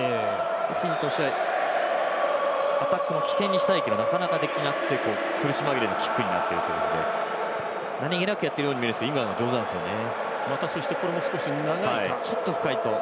フィジーとしてはアタックの起点にしたいけどなかなかできなくて苦し紛れのキックになっているので何気なくやっているように見えるんですけどイングランドが上手なんですよね。